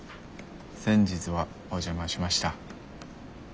先日はお邪魔しました。